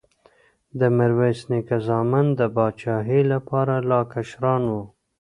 د میرویس نیکه زامن د پاچاهۍ لپاره لا کشران وو.